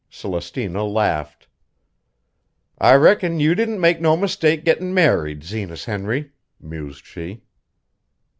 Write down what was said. Celestina laughed. "I reckon you didn't make no mistake gettin' married, Zenas Henry," mused she.